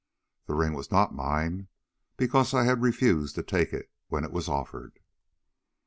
The ring was not mine, because I had refused to take it when it was offered."